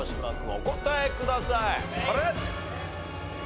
お答えください。